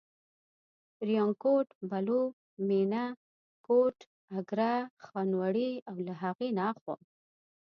ریانکوټ، بلو، مېنه، کوټ، اګره، خانوړی او له هغې نه اخوا.